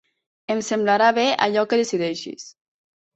Em semblarà bé allò que decideixis.